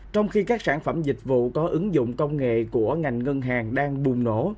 trong khi các sản phẩm dịch vụ có ứng dụng công nghệ của ngành ngân hàng đang bùng nổ